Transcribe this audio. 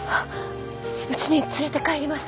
うちに連れて帰ります。